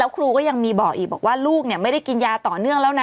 ครูก็ยังมีบอกอีกบอกว่าลูกไม่ได้กินยาต่อเนื่องแล้วนะ